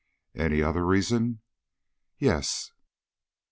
"Any other reason?" "Yes."